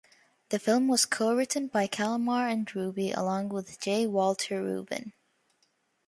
The film was co-written by Kalmar and Ruby along with J. Walter Ruben.